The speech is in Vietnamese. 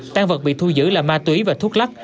tan vật bị thu giữ là ma túy và thuốc lắc